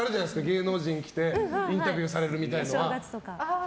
芸能人が来てインタビューされるみたいなのが。